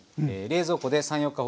冷蔵庫で３４日